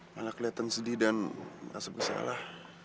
malah kelihatan sedih dan merasa bersalah